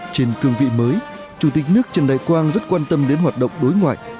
trên cương vị mới chủ tịch nước trần đại quang rất quan tâm đến hoạt động đối ngoại